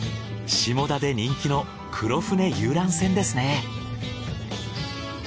下田で人気の黒船遊覧船ですね。